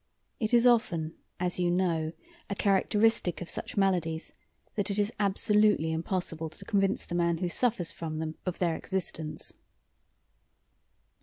It is often, as you know, a characteristic of such maladies that it is absolutely impossible to convince the man who suffers from them of their existence.